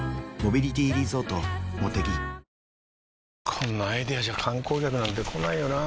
こんなアイデアじゃ観光客なんて来ないよなあ